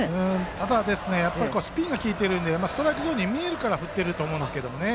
ただスピンが利いているのでストライクゾーンに見えるから振っていると思いますが。